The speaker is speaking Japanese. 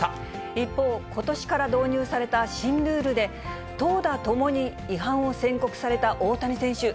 一方、ことしから導入された新ルールで、投打ともに違反を宣告された大谷選手。